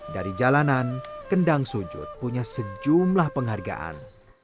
dari jalanan kendang sujud punya sejumlah penghargaan